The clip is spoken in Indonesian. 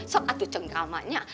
sok atuh cengkamanya